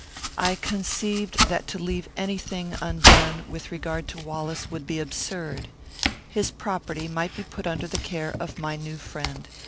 I conceived that to leave any thing undone, with regard to Wallace, would be absurd. His property might be put under the care of my new friend.